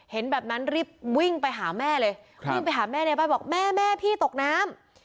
แบบนั้นรีบวิ่งไปหาแม่เลยวิ่งไปหาแม่ในบ้านบอกแม่แม่พี่ตกน้ำ